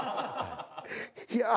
いや。